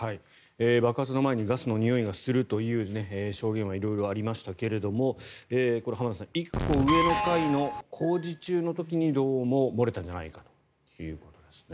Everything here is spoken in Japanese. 爆発の前にガスのにおいがするという証言は色々ありましたが浜田さん、１個上の階の工事中の時にどうも漏れたんじゃないかということですね。